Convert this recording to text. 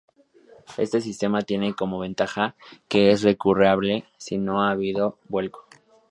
Este sistema tiene como ventaja que es recuperable si no ha habido vuelco.